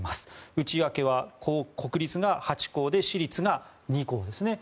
内訳は、国立が８校で私立が２校ですね。